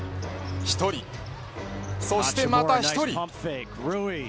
１人、そしてまた１人。